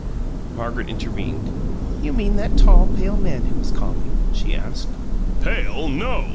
Margaret intervened. "You mean that tall, pale man who was calling?" she asked. "Pale, no!"